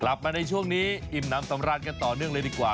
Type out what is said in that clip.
กลับมาในช่วงนี้อิ่มน้ำสำราญกันต่อเนื่องเลยดีกว่า